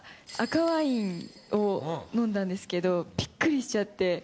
赤ワインを飲んだんですけど、びっくりしちゃって。